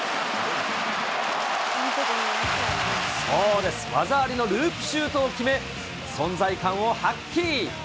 そうです、技ありのループシュートを決め、存在感を発揮。